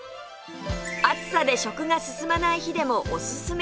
暑さで食が進まない日でもおすすめ！